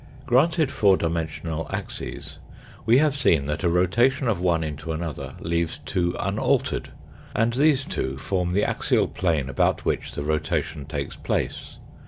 Granted four dimensional axes, we have seen that a rotation of one into another leaves two unaltered, and these two form the axial plane about which the rotation takes place.